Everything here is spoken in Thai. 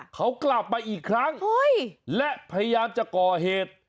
เขากลับมาอีกครั้งและพยายามจะก่อเหตุ